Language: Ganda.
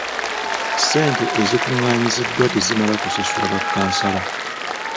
Ssente ezikungaanyiziddwa tezimala kusasula ba kkansala.